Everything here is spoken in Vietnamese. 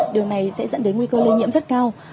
điều này sẽ dẫn đến nguy cơ lây nhiễm rất cao